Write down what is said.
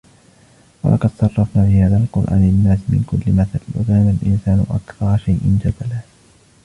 وَلَقَدْ صَرَّفْنَا فِي هَذَا الْقُرْآنِ لِلنَّاسِ مِنْ كُلِّ مَثَلٍ وَكَانَ الْإِنْسَانُ أَكْثَرَ شَيْءٍ جَدَلًا